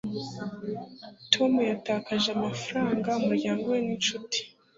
tom yatakaje amafaranga, umuryango we n'inshuti